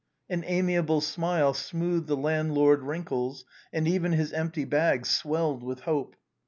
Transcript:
An amiable smile smoothed the landlord's wrinkles and even his empty bag swelled with hope.